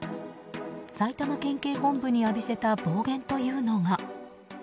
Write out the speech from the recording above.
埼玉県警本部に浴びせた暴言というのが。